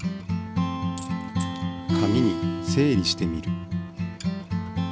紙に整理してみる。